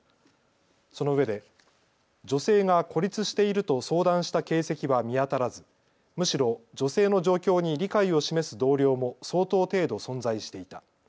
そのうえで女性が孤立していると相談した形跡は見当たらずむしろ女性の状況に理解を示す同僚も相当程度存在していた。